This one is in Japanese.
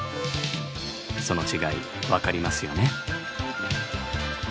その違い分かりますよね？